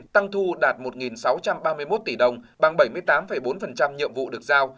tăng thu đạt một sáu trăm ba mươi một tỷ đồng bằng bảy mươi tám bốn nhiệm vụ được giao